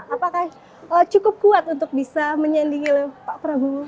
apakah cukup kuat untuk bisa menyandingi pak prabowo